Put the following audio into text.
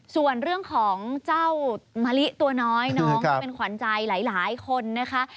ส่วนเรื่องของเจ้ามะลิตัวน้อยน้องก็เป็นขวัญใจหลายคนนะคะ